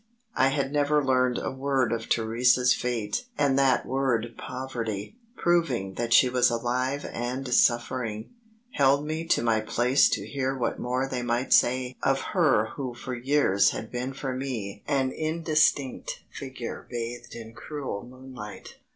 I had never learned a word of Theresa's fate and that word poverty, proving that she was alive and suffering, held me to my place to hear what more they might say of her who for years had been for me an indistinct figure bathed in cruel moonlight.